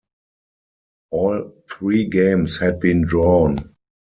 All three games had been drawn.